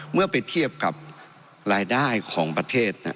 เมื่อไปเทียบกับรายได้ของประเทศ